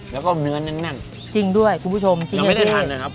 แล้วก็เนื้อแน่นจริงด้วยคุณผู้ชมจริงยังไม่ได้ทานนะครับ